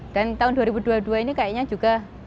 tahun dua ribu dua puluh dua ini kayaknya juga